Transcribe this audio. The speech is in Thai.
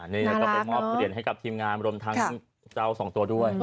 นี่ต้องมอบเปลี่ยนให้กับทีมงานบรมทางเจ้าสองตัวด้วย